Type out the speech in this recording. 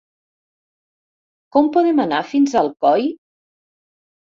Com podem anar fins a Alcoi?